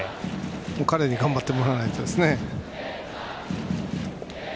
彼に頑張ってもらわないとですね。